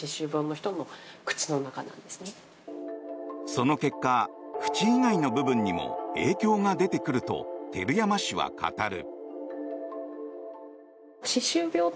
その結果、口以外の部分にも影響が出てくると照山氏は語る。